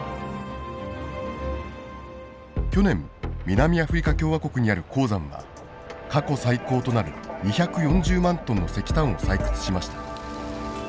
去年南アフリカ共和国にある鉱山は過去最高となる２４０万トンの石炭を採掘しました。